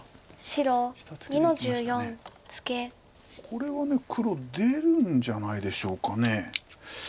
これは黒出るんじゃないでしょうか。